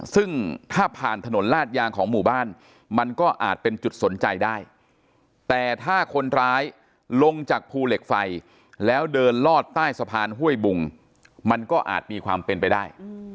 ซึ่งถ้าผ่านถนนลาดยางของหมู่บ้านมันก็อาจเป็นจุดสนใจได้แต่ถ้าคนร้ายลงจากภูเหล็กไฟแล้วเดินลอดใต้สะพานห้วยบุงมันก็อาจมีความเป็นไปได้